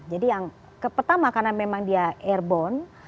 jadi yang pertama karena memang dia airborne